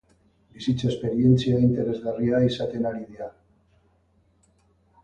Bizitza esperientzia interesgarria izaten ari da.